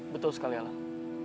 betul sekali alang